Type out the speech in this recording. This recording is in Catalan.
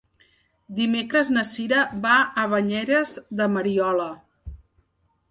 Dimecres na Cira va a Banyeres de Mariola.